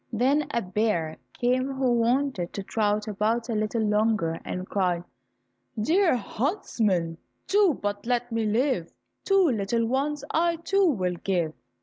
Then a bear came who wanted to trot about a little longer, and cried: "Dear huntsman, do but let me live, Two little ones I, too, will give."